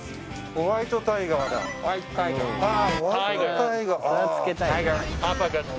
ホワイトタイガーああ